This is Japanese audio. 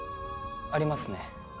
ありますね。